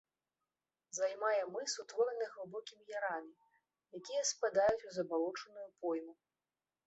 Займае мыс, утвораны глыбокімі ярамі, якія спадаюць у забалочаную пойму.